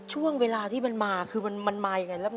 ช่วงเวลาที่มันมามันมายังไง